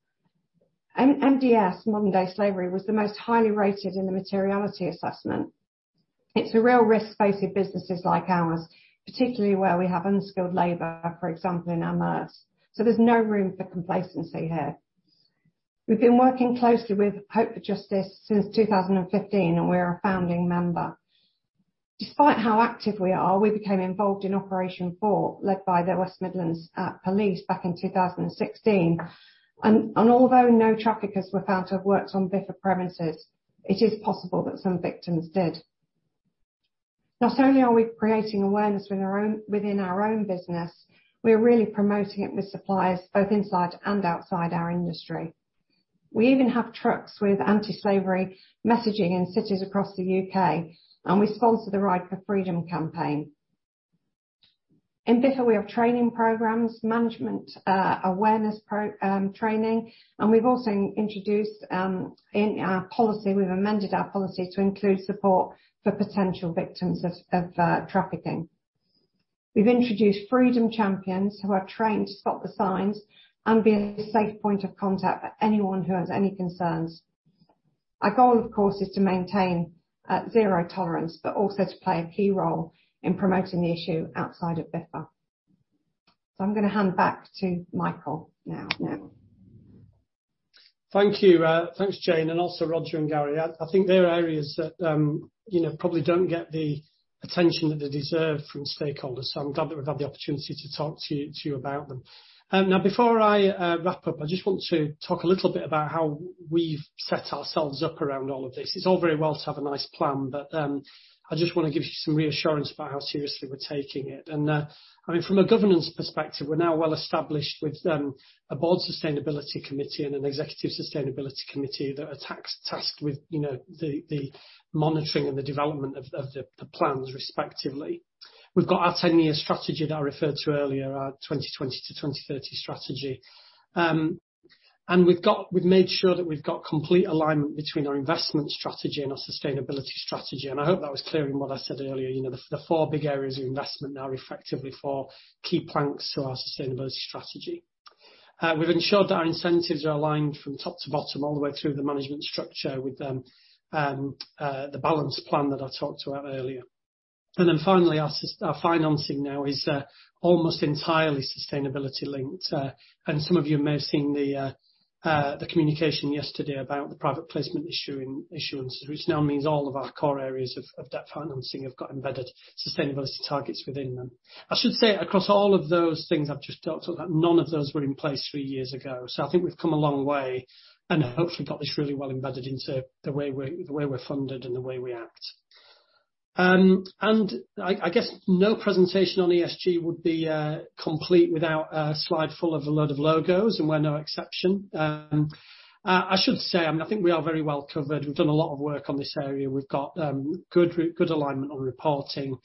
MDS, Modern Day Slavery, was the most highly rated in the materiality assessment. It's a real risk facing businesses like ours, particularly where we have unskilled labor, for example, in our MRFs. There's no room for complacency here. We've been working closely with Hope for Justice since 2015, and we're a founding member. Despite how active we are, we became involved in Operation Fort, led by the West Midlands Police back in 2016. Although no traffickers were found to have worked on Biffa premises, it is possible that some victims did. Not only are we creating awareness within our own business, we are really promoting it with suppliers both inside and outside our industry. We even have trucks with anti-slavery messaging in cities across the UK, and we sponsor the Ride for Freedom campaign. In Biffa, we have training programs, management awareness training, and we've also introduced in our policy, we've amended our policy to include support for potential victims of trafficking. We've introduced Freedom Champions who are trained to spot the signs and be a safe point of contact for anyone who has any concerns. Our goal, of course, is to maintain zero tolerance, but also to play a key role in promoting the issue outside of Biffa. I'm gonna hand back to Michael now. Thank you. Thanks, Jane, and also Roger and Gary. I think there are areas that, you know, probably don't get the attention that they deserve from stakeholders, so I'm glad that we've had the opportunity to talk to you about them. Now, before I wrap up, I just want to talk a little bit about how we've set ourselves up around all of this. It's all very well to have a nice plan, but I just wanna give you some reassurance about how seriously we're taking it. I mean, from a governance perspective, we're now well established with a board sustainability committee and an executive sustainability committee that are tasked with, you know, the monitoring and the development of the plans respectively. We've got our ten-year strategy that I referred to earlier, our 2020 to 2030 strategy. We've made sure that we've got complete alignment between our investment strategy and our sustainability strategy, and I hope that was clear in what I said earlier. The four big areas of investment are effectively four key planks to our sustainability strategy. We've ensured that our incentives are aligned from top to bottom, all the way through the management structure with them, the balanced plan that I talked about earlier. Finally, our financing now is almost entirely sustainability-linked. Some of you may have seen the communication yesterday about the private placement issuance, which now means all of our core areas of debt financing have got embedded sustainability targets within them. I should say across all of those things I've just talked about, none of those were in place three years ago. I think we've come a long way and hopefully got this really well embedded into the way we're funded and the way we act. I guess no presentation on ESG would be complete without a slide full of a load of logos, and we're no exception. I should say, I mean, I think we are very well covered. We've done a lot of work on this area. We've got good alignment on reporting,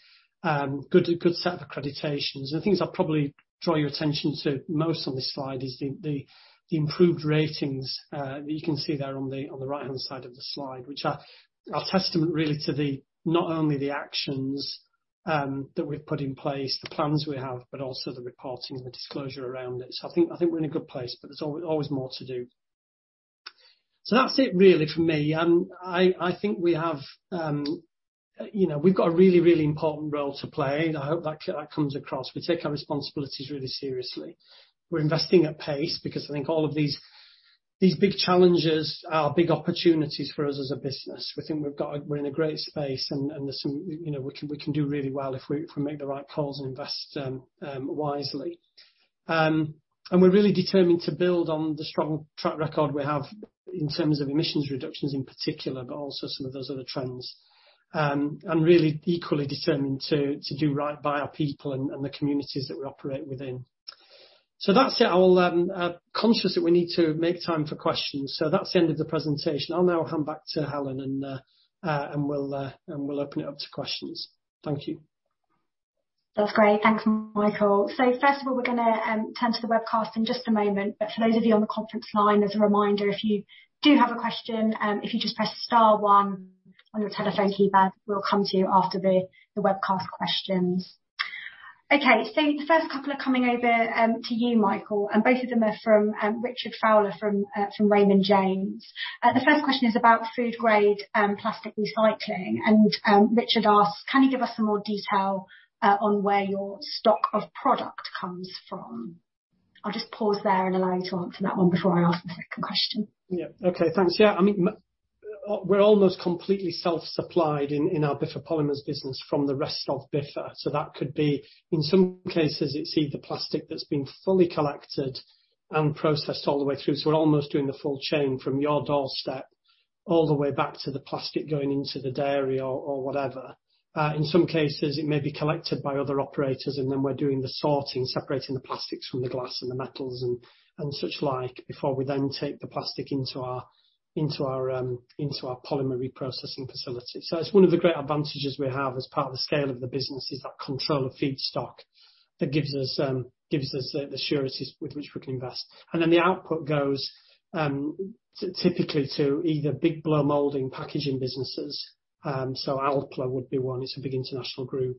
good set of accreditations. The things I'd probably draw your attention to most on this slide is the improved ratings that you can see there on the right-hand side of the slide, which are a testament really to not only the actions that we've put in place, the plans we have, but also the reporting and the disclosure around it. I think we're in a good place, but there's always more to do. That's it really for me. I think we have, you know, we've got a really important role to play, and I hope that comes across. We take our responsibilities really seriously. We're investing at pace because I think all of these big challenges are big opportunities for us as a business. We're in a great space and there's some, you know, we can do really well if we make the right calls and invest wisely. We're really determined to build on the strong track record we have in terms of emissions reductions in particular, but also some of those other trends. Really equally determined to do right by our people and the communities that we operate within. That's it, conscious that we need to make time for questions. That's the end of the presentation. I'll now hand back to Helen and we'll open it up to questions. Thank you. That's great. Thanks, Michael. First of all, we're gonna turn to the webcast in just a moment. For those of you on the conference line, as a reminder, if you do have a question, if you just press star one on your telephone keypad, we'll come to you after the webcast questions. Okay, the first couple are coming over to you, Michael, and both of them are from Richard Fowler from Raymond James. The first question is about food grade plastic recycling. Richard asks: Can you give us some more detail on where your stock of product comes from? I'll just pause there and allow you to answer that one before I ask the second question. Yeah. Okay. Thanks. Yeah. I mean, we're almost completely self-supplied in our Biffa Polymers business from the rest of Biffa. That could be, in some cases, it's either plastic that's been fully collected and processed all the way through. We're almost doing the full chain from your doorstep all the way back to the plastic going into the dairy or whatever. In some cases, it may be collected by other operators, and then we're doing the sorting, separating the plastics from the glass and the metals and such like before we then take the plastic into our polymer reprocessing facility. It's one of the great advantages we have as part of the scale of the business is that control of feedstock that gives us the sureties with which we can invest. The output goes typically to either big blow molding packaging businesses, so ALPLA would be one. It's a big international group.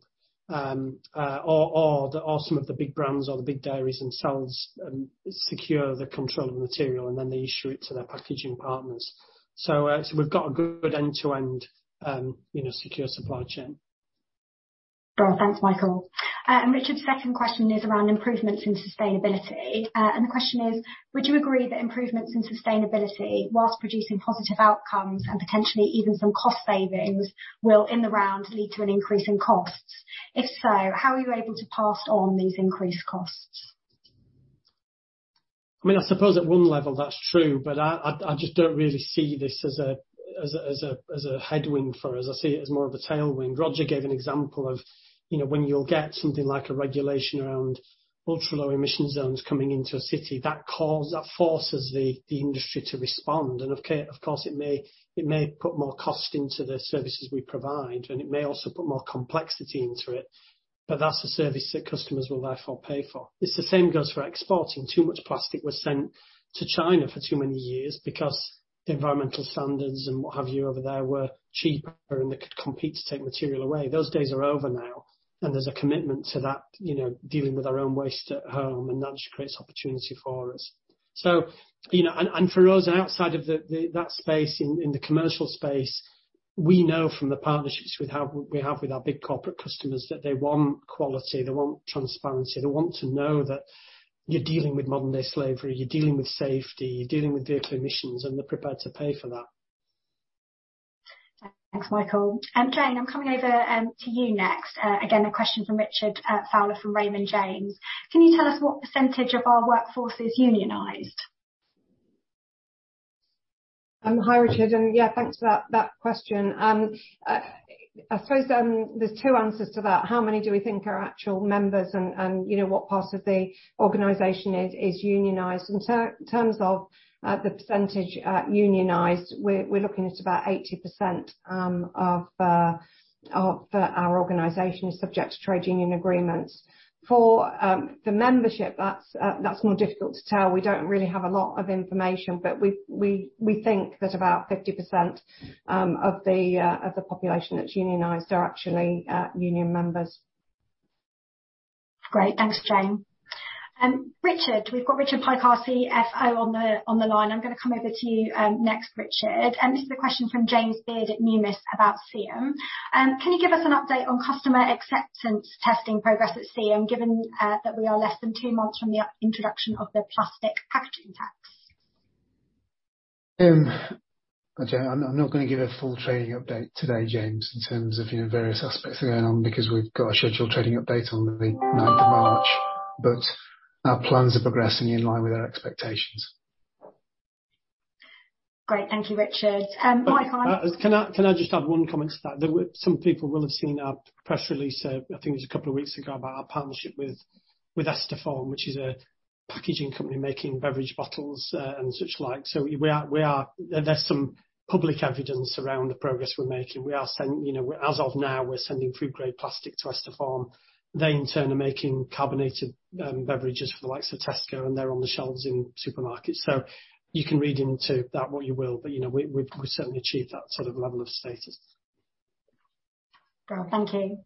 Or some of the big brands or the big dairies themselves secure the controlled material, and then they issue it to their packaging partners. We've got a good end-to-end, you know, secure supply chain. Well, thanks, Michael. Richard's second question is around improvements in sustainability. The question is: Would you agree that improvements in sustainability while producing positive outcomes and potentially even some cost savings will, in the round, lead to an increase in costs? If so, how are you able to pass on these increased costs? I mean, I suppose at one level that's true, but I just don't really see this as a headwind for us. I see it as more of a tailwind. Roger gave an example of, you know, when you'll get something like a regulation around ultra-low emission zones coming into a city, that forces the industry to respond. Of course, it may put more cost into the services we provide, and it may also put more complexity into it, but that's a service that customers will therefore pay for. It's the same goes for exporting. Too much plastic was sent to China for too many years because the environmental standards and what have you over there were cheaper, and they could compete to take material away. Those days are over now, and there's a commitment to that, you know, dealing with our own waste at home, and that just creates opportunity for us. You know, and for us, outside of that space in the commercial space. We know from the partnerships we have with our big corporate customers that they want quality, they want transparency, they want to know that you're dealing with modern-day slavery, you're dealing with safety, you're dealing with vehicle emissions, and they're prepared to pay for that. Thanks, Michael. Jane, I'm coming over to you next. Again, a question from Richard Fowler from Raymond James. Can you tell us what percentage of our workforce is unionized? Hi, Richard. Yeah, thanks for that question. I suppose there's two answers to that. How many do we think are actual members and you know what part of the organization is unionized? In terms of the percentage unionized, we're looking at about 80% of our organization is subject to trade union agreements. For the membership, that's more difficult to tell. We don't really have a lot of information, but we think that about 50% of the population that's unionized are actually union members. Great. Thanks, Jane. Richard. We've got Richard Pike, CFO on the line. I'm gonna come over to you next, Richard. This is a question from James Beard at Numis about CM. Can you give us an update on customer acceptance testing progress at CM, given that we are less than two months from the introduction of the plastic packaging tax? Hi, Jane. I'm not gonna give a full trading update today, James, in terms of, you know, various aspects going on because we've got a scheduled trading update on the ninth of March, but our plans are progressing in line with our expectations. Great. Thank you, Richard. Michael- Can I just add one comment to that? Some people will have seen our press release, I think it was a couple of weeks ago, about our partnership with Esterform, which is a packaging company making beverage bottles, and such like. There's some public evidence around the progress we're making. You know, as of now, we're sending food-grade plastic to Esterform. They, in turn, are making carbonated beverages for the likes of Tesco, and they're on the shelves in supermarkets. So you can read into that what you will, but you know, we've certainly achieved that sort of level of status. Well, thank you.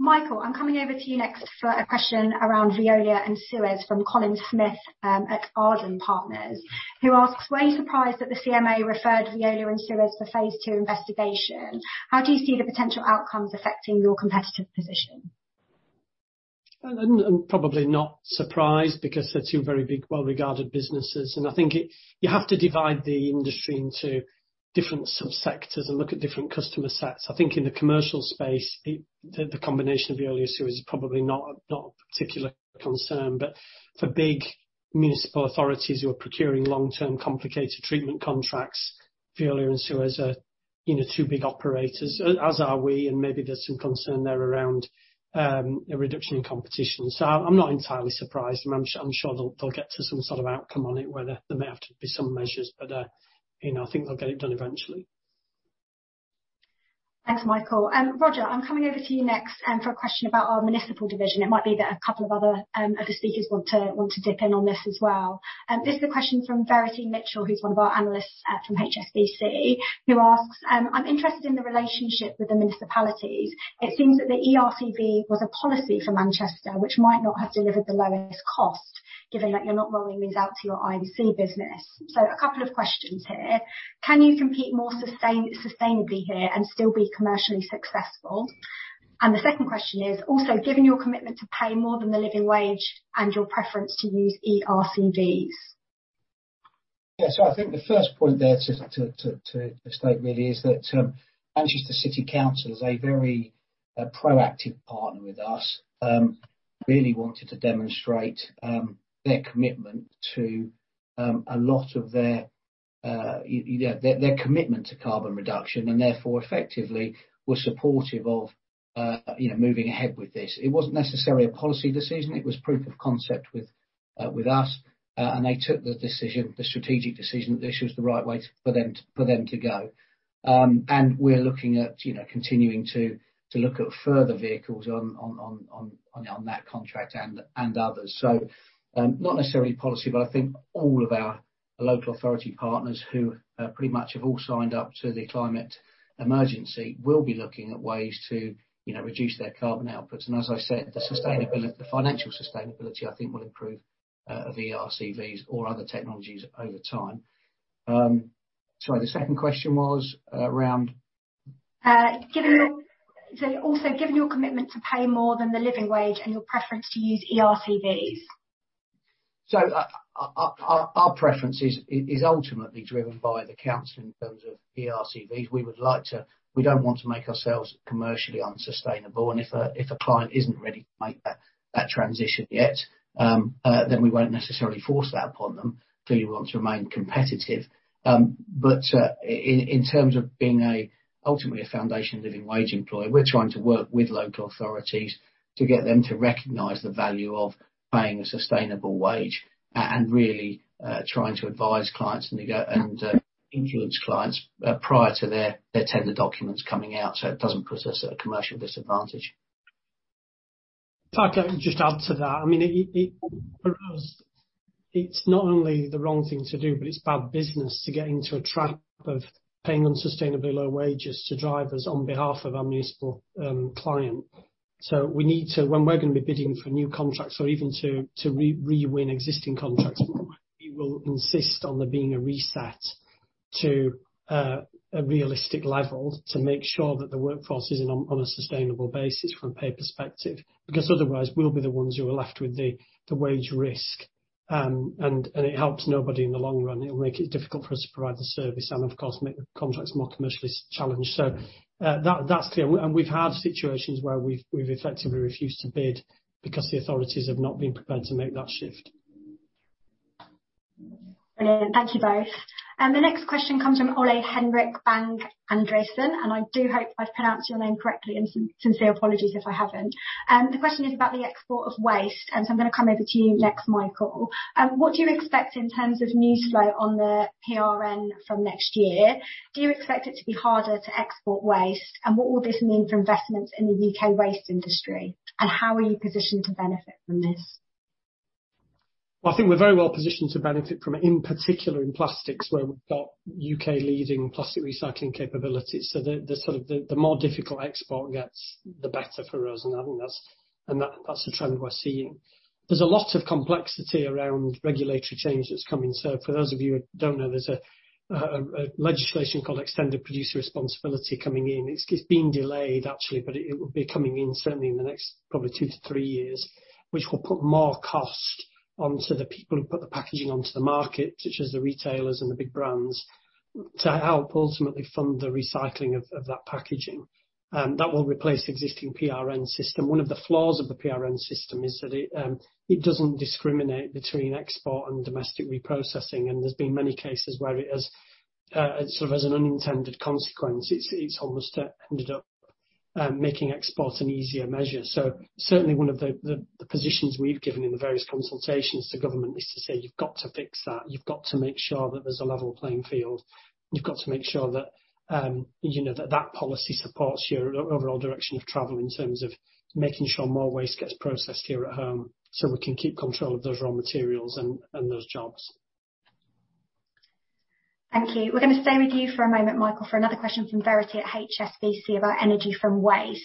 Michael, I'm coming over to you next for a question around Veolia and Suez from Colin Smith at Arden Partners, who asks, "Were you surprised that the CMA referred Veolia and Suez for phase two investigation? How do you see the potential outcomes affecting your competitive position? I'm probably not surprised because they're two very big, well-regarded businesses. I think you have to divide the industry into different subsectors and look at different customer sets. I think in the commercial space, the combination of Veolia, Suez is probably not a particular concern. For big municipal authorities who are procuring long-term, complicated treatment contracts, Veolia and Suez are, you know, two big operators, as are we, and maybe there's some concern there around a reduction in competition. I'm not entirely surprised, and I'm sure they'll get to some sort of outcome on it, whether there may have to be some measures. You know, I think they'll get it done eventually. Thanks, Michael. Roger, I'm coming over to you next, for a question about our municipal division. It might be that a couple of other speakers want to dip in on this as well. This is a question from Verity Mitchell, who's one of our analysts, from HSBC, who asks, "I'm interested in the relationship with the municipalities. It seems that the ERCV was a policy for Manchester which might not have delivered the lowest cost, given that you're not rolling these out to your I&C business. A couple of questions here: Can you compete more sustainably here and still be commercially successful?" And the second question is: "Also, given your commitment to pay more than the living wage and your preference to use ERCVs. I think the first point there to state really is that Manchester City Council is a very proactive partner with us, really wanted to demonstrate their commitment to a lot of their you know their commitment to carbon reduction, and therefore, effectively, we're supportive of you know moving ahead with this. It wasn't necessarily a policy decision. It was proof of concept with us. They took the decision, the strategic decision, this was the right way for them to go. We're looking at you know continuing to look at further vehicles on that contract and others. Not necessarily policy, but I think all of our local authority partners who pretty much have all signed up to the climate emergency will be looking at ways to, you know, reduce their carbon outputs. As I said, the sustainability, the financial sustainability, I think will improve, RCVs or other technologies over time. Sorry, the second question was around? Given your commitment to pay more than the living wage and your preference to use ERCVs. Our preference is ultimately driven by the council in terms of ERCVs. We don't want to make ourselves commercially unsustainable and if a client isn't ready to make that transition yet, then we won't necessarily force that upon them. Clearly, we want to remain competitive. In terms of being ultimately a Living Wage Foundation employer, we're trying to work with local authorities to get them to recognize the value of paying a sustainable wage and really trying to advise clients and influence clients prior to their tender documents coming out, so it doesn't put us at a commercial disadvantage. If I can just add to that. I mean, it for us, it's not only the wrong thing to do, but it's bad business to get into a trap of paying unsustainably low wages to drivers on behalf of our municipal client. We need to when we're gonna be bidding for new contracts or even to rewin existing contracts. We will insist on there being a reset to a realistic level to make sure that the workforce is on a sustainable basis from a pay perspective. Because otherwise we'll be the ones who are left with the wage risk. It helps nobody in the long run. It'll make it difficult for us to provide the service and of course make the contracts more commercially challenged. That's clear. We've had situations where we've effectively refused to bid because the authorities have not been prepared to make that shift. Brilliant. Thank you both. The next question comes from Ole Henrik Bang-Andreasen, and I do hope I've pronounced your name correctly, and sincere apologies if I haven't. The question is about the export of waste, and so I'm gonna come over to you next, Michael. What do you expect in terms of new flow on the PRN from next year? Do you expect it to be harder to export waste? And what will this mean for investments in the U.K. waste industry, and how are you positioned to benefit from this? I think we're very well positioned to benefit from it, in particular in plastics, where we've got U.K. leading plastic recycling capabilities. The more difficult export gets, the better for us. I think that's the trend we're seeing. There's a lot of complexity around regulatory change that's coming. For those of you who don't know, there's a legislation called Extended Producer Responsibility coming in. It's been delayed actually, but it will be coming in certainly in the next probably two to three years, which will put more cost onto the people who put the packaging onto the market, such as the retailers and the big brands, to help ultimately fund the recycling of that packaging. That will replace the existing PRN system. One of the flaws of the PRN system is that it doesn't discriminate between export and domestic reprocessing, and there's been many cases where it has sort of as an unintended consequence. It's almost ended up making export an easier measure. Certainly one of the positions we've given in the various consultations to government is to say, "You've got to fix that. You've got to make sure that there's a level playing field. You've got to make sure that, you know, that that policy supports your overall direction of travel in terms of making sure more waste gets processed here at home, so we can keep control of those raw materials and those jobs. Thank you. We're gonna stay with you for a moment, Michael, for another question from Verity at HSBC about energy from waste.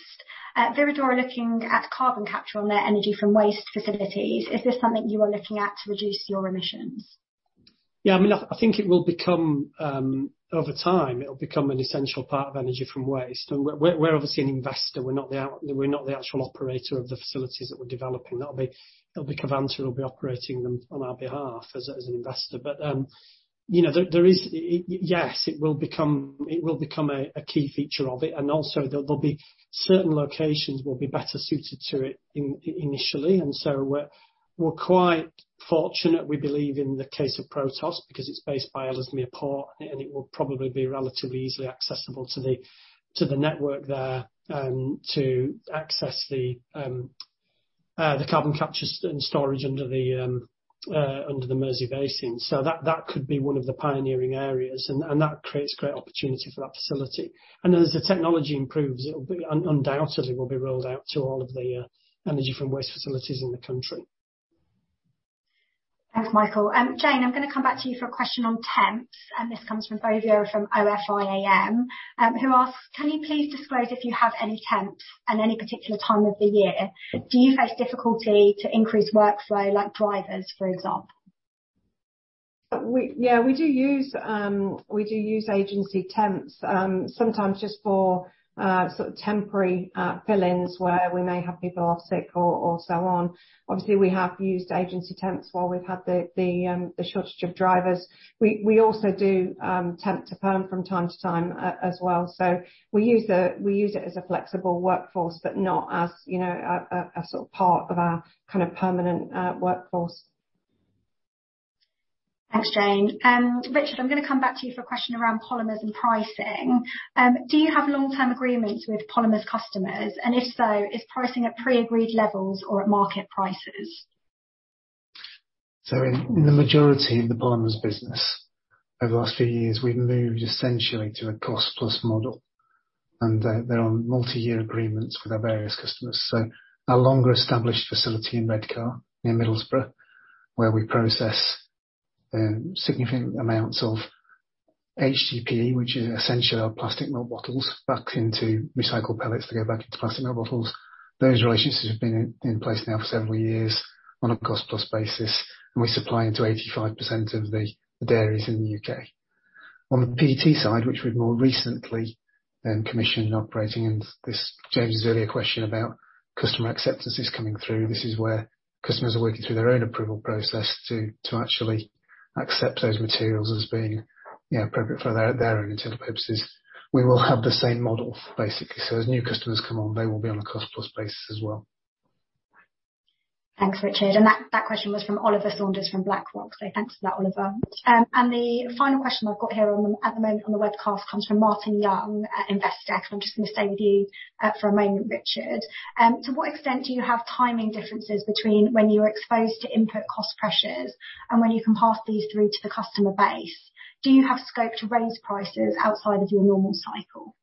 Viridor are looking at carbon capture on their energy from waste facilities. Is this something you are looking at to reduce your emissions? Yeah, I mean, I think it will become over time it'll become an essential part of energy from waste. We're obviously an investor. We're not the actual operator of the facilities that we're developing. That'll be Covanta will be operating them on our behalf as an investor. But you know, yes, it will become a key feature of it. Also there'll be certain locations will be better suited to it initially. So we're quite fortunate, we believe, in the case of Protos because it's based by Ellesmere Port and it will probably be relatively easily accessible to the network there to access the carbon capture and storage under the Mersey Basin. That could be one of the pioneering areas and that creates great opportunity for that facility. Then as the technology improves, it'll undoubtedly be rolled out to all of the energy from waste facilities in the country. Thanks, Michael. Jane, I'm gonna come back to you for a question on temps, and this comes from Béryl Bouvier di Nota from OFI AM, who asks: Can you please disclose if you have any temps at any particular time of the year? Do you face difficulty to increase workflow like drivers, for example? Yeah, we do use agency temps sometimes just for sort of temporary fill-ins where we may have people off sick or so on. Obviously, we have used agency temps while we've had the shortage of drivers. We also do temp to perm from time to time as well. We use it as a flexible workforce, but not as, you know, a sort of part of our kind of permanent workforce. Thanks, Jane. Richard, I'm gonna come back to you for a question around polymers and pricing. Do you have long-term agreements with polymers customers? If so, is pricing at pre-agreed levels or at market prices? In the majority of the polymers business over the last few years, we've moved essentially to a cost-plus model. There are multi-year agreements with our various customers. Our longer established facility in Redcar, near Middlesbrough, where we process significant amounts of HDPE, which is essentially our plastic milk bottles back into recycled pellets that go back into plastic milk bottles. Those relationships have been in place now for several years on a cost-plus basis, and we supply into 85% of the dairies in the U.K. On the PET side, which we've more recently commissioned and operating, and this answers earlier question about customer acceptance is coming through. This is where customers are working through their own approval process to actually accept those materials as being appropriate for their intended purposes. We will have the same model basically. As new customers come on, they will be on a cost-plus basis as well. Thanks, Richard. That question was from Oliver Saunders from BlackRock. Thanks for that, Oliver. The final question I've got here at the moment on the webcast comes from Martin Young at Investec. I'm just gonna stay with you for a moment, Richard. To what extent do you have timing differences between when you are exposed to input cost pressures and when you can pass these through to the customer base? Do you have scope to raise prices outside of your normal cycle?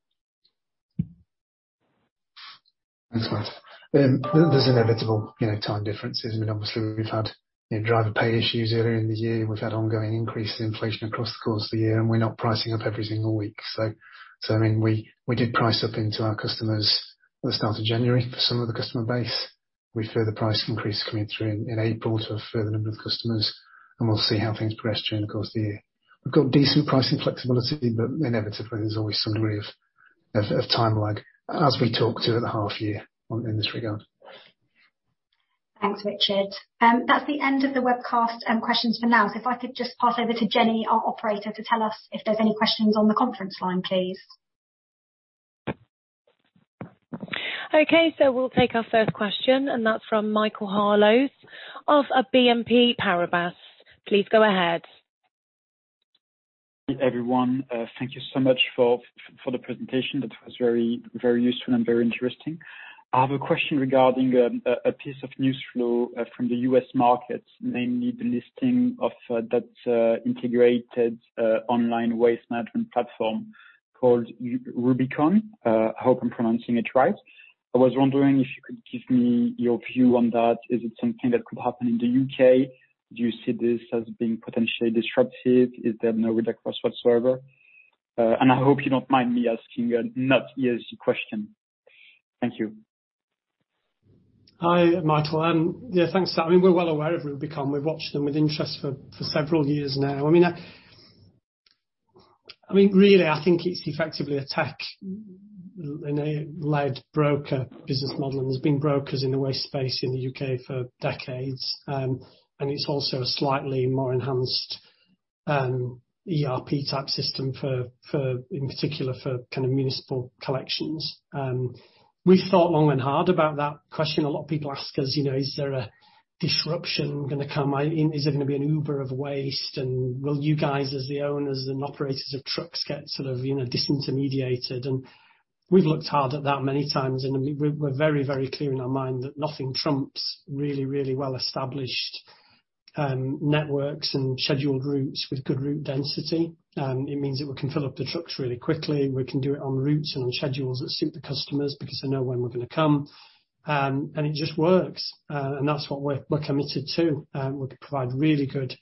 Thanks, Martin. There's inevitable, you know, time differences. I mean, obviously we've had, you know, driver pay issues earlier in the year. We've had ongoing increases in inflation across the course of the year, and we're not pricing up every single week. I mean, we did price up to our customers at the start of January for some of the customer base. We further price increase coming through in April to a further number of customers, and we'll see how things progress during the course of the year. We've got decent pricing flexibility, but inevitably there's always some degree of time lag as we talked about at the half year and in this regard. Thanks, Richard. That's the end of the webcast and questions for now. If I could just pass over to Jenny, our operator, to tell us if there's any questions on the conference line, please. Okay. We'll take our first question, and that's from Michael Harlow of BNP Paribas. Please go ahead. Everyone, thank you so much for the presentation. That was very, very useful and very interesting. I have a question regarding a piece of news flow from the U.S. market, namely the listing of that integrated online waste management platform called Rubicon. I hope I'm pronouncing it right. I was wondering if you could give me your view on that. Is it something that could happen in the U.K.? Do you see this as being potentially disruptive? Is there no risk whatsoever? I hope you don't mind me asking a not easy question. Thank you. Hi, Michael. Yeah, thanks. I mean, we're well aware of Rubicon. We've watched them with interest for several years now. I mean, really, I think it's effectively a tech-led broker business model, and there's been brokers in the waste space in the U.K. for decades. It's also a slightly more enhanced ERP type system for, in particular, kind of municipal collections. We thought long and hard about that question. A lot of people ask us, you know, "Is there a disruption gonna come? Is there gonna be an Uber of waste? Will you guys, as the owners and operators of trucks, get sort of, you know, disintermediated?" We've looked hard at that many times, and we're very, very clear in our mind that nothing trumps really, really well-established networks and scheduled routes with good route density. It means that we can fill up the trucks really quickly. We can do it on routes and on schedules that suit the customers because they know when we're gonna come. And it just works. That's what we're committed to. We provide really good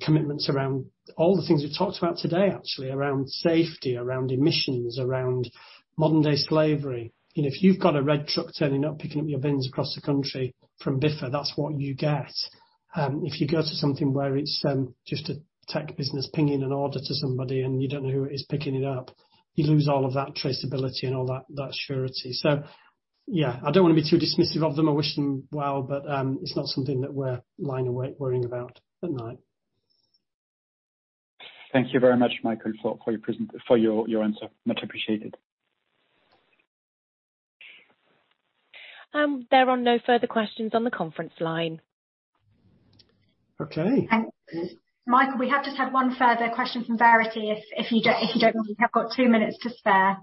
commitments around all the things we've talked about today, actually, around safety, around emissions, around modern day slavery. You know, if you've got a red truck turning up, picking up your bins across the country from Biffa, that's what you get. If you go to something where it's just a tech business pinging an order to somebody and you don't know who is picking it up, you lose all of that traceability and all that surety. Yeah, I don't wanna be too dismissive of them or wish them well, but it's not something that we're lying awake worrying about at night. Thank you very much, Michael, for your answer. Much appreciated. There are no further questions on the conference line. Okay. Michael, we have just had one further question from Verity. If you don't, we have got two minutes to spare.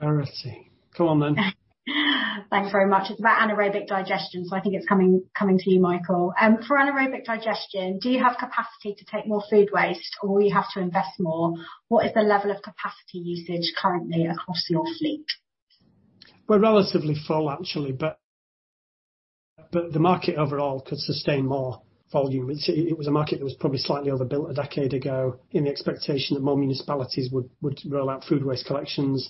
Verity. Come on, then. Thanks very much. It's about anaerobic digestion, so I think it's coming to you, Michael. For anaerobic digestion, do you have capacity to take more food waste or you have to invest more? What is the level of capacity usage currently across your fleet? We're relatively full actually, but the market overall could sustain more volume. It was a market that was probably slightly overbuilt a decade ago in the expectation that more municipalities would roll out food waste collections.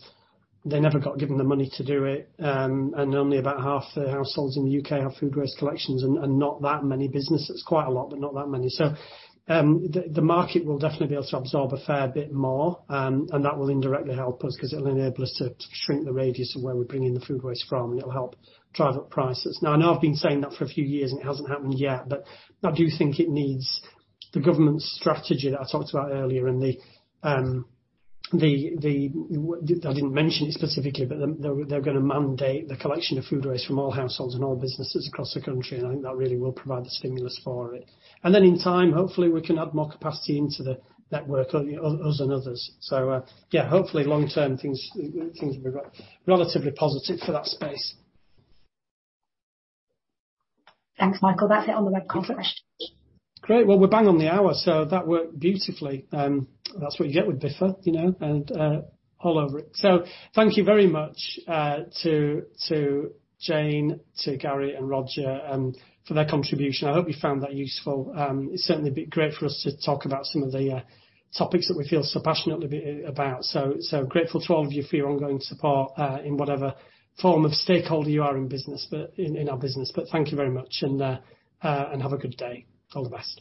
They never got given the money to do it, and only about half the households in the U.K. have food waste collections and not that many businesses. Quite a lot, but not that many. The market will definitely be able to absorb a fair bit more, and that will indirectly help us 'cause it'll enable us to shrink the radius of where we're bringing the food waste from, and it'll help drive up prices. Now, I know I've been saying that for a few years, and it hasn't happened yet, but I do think it needs the government strategy that I talked about earlier and the I didn't mention it specifically, but they're gonna mandate the collection of food waste from all households and all businesses across the country, and I think that really will provide the stimulus for it. Then in time, hopefully, we can add more capacity into the network, us and others. Yeah, hopefully long-term, things will be relatively positive for that space. Thanks, Michael. That's it on the web conference. Great. Well, we're bang on the hour, so that worked beautifully. That's what you get with Biffa, you know, and all over it. Thank you very much to Jane, to Gary and Roger for their contribution. I hope you found that useful. It's certainly been great for us to talk about some of the topics that we feel so passionately about. Grateful to all of you for your ongoing support in whatever form of stakeholder you are in business, but in our business. Thank you very much and have a good day. All the best.